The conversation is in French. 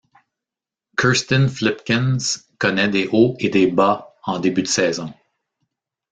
Kirsten Flipkens connait des hauts et des bas en début de saison.